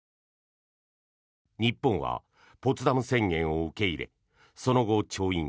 日本はポツダム宣言を受け入れその後、調印。